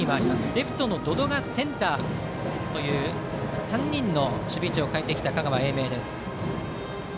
レフトの百々がセンターと３人の守備位置を変えてきた香川・英明です。